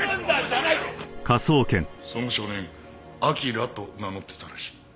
その少年アキラと名乗ってたらしい。